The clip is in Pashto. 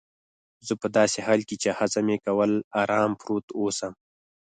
زه په داسې حال کې چي هڅه مې کول آرام پروت اوسم.